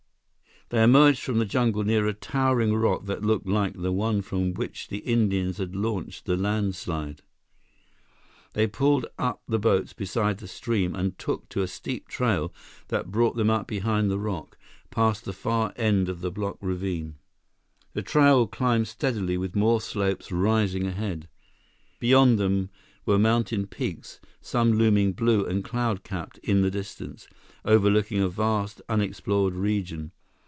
They emerged from the jungle near a towering rock that looked like the one from which the Indians had launched the landslide. They pulled up the boats beside the stream and took to a steep trail that brought them up behind the rock, past the far end of the blocked ravine. The trail climbed steadily, with more slopes rising ahead. Beyond them were mountain peaks, some looming blue and cloud capped in the distance, overlooking a vast, unexplored region.